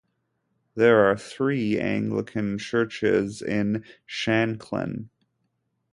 There are three Anglican churches in Shanklin.